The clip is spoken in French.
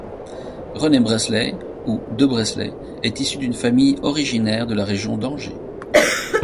René Breslay ou de Breslay est issu d'une famille originaire de la région d'Angers.